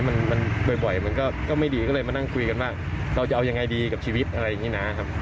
มันบ่อยมันก็ไม่ดีก็เลยมานั่งคุยกันว่าเราจะเอายังไงดีกับชีวิตอะไรอย่างนี้นะครับ